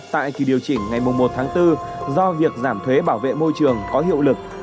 tại kỳ điều chỉnh ngày một tháng bốn do việc giảm thuế bảo vệ môi trường có hiệu lực